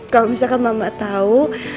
kalau misalkan mama tau